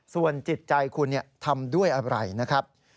ส่วนจิตใจคุณทำด้วยอะไรนะครับ